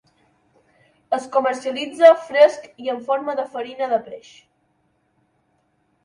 Es comercialitza fresc i en forma de farina de peix.